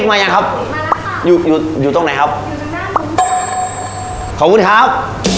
ออกมาแล้วครับ